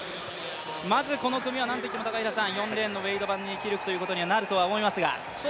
まずこの組は何といっても４レーンのウェイド・バンニーキルクということになるとは思いますが。